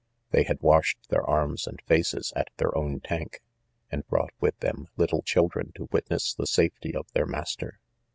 They had washed their arms and faces at their own tank, and brought with them little children to witness the safety of their master.